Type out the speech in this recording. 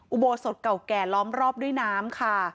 อุโบสถเก่าแก่ล้อมรอบด้วยน้ำค่ะ